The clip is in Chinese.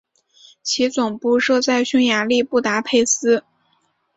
其总部设在匈牙利布达佩斯。